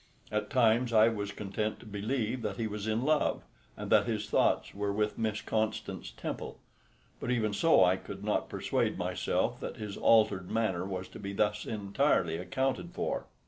At times I was content to believe that he was in love, and that his thoughts were with Miss Constance Temple; but even so, I could not persuade myself that his altered manner was to be thus entirely accounted for.